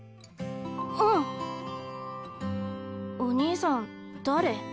お兄さん誰？